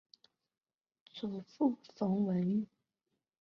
祖父冯文玉。